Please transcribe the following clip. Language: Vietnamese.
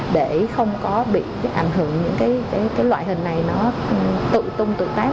để không có bị ảnh hưởng những cái loại hình này nó tự tung tự tác